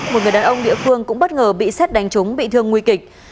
một người đàn ông địa phương cũng bất ngờ bị xét đánh trúng bị thương nguy kịch